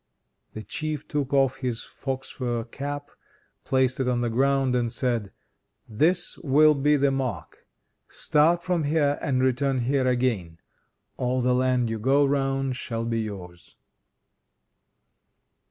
The Chief took off his fox fur cap, placed it on the ground and said: "This will be the mark. Start from here, and return here again. All the land you go round shall be yours."